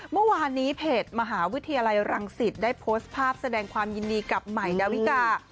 เมื่อวานนี้เพจมหาวิทยาลัยรังสิตได้โพสต์ภาพแสดงความยินดีกับใหม่ดาวิกา